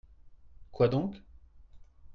Quoi donc ?